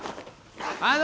あの！